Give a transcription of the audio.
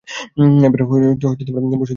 এবার বসতিতে ফিরে যাও।